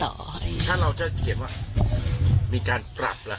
ถ้าเราจะเขียนว่ามีการปรับล่ะครับ